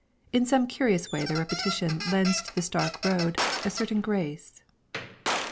In some curious way their repetition lends to the stark road a certain grace.